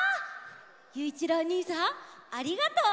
ゆういちろうおにいさんありがとう！